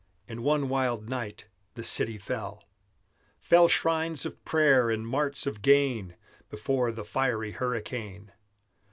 In one wild night the city fell; Fell shrines of prayer and marts of gain Before the fiery hurricane.